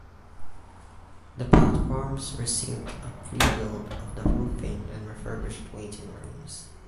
The platforms received a rebuild of the roofing and refurbished waiting rooms.